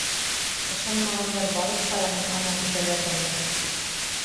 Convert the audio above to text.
— Ышанмағандар барып ҡараһын, ана, изоляторҙа.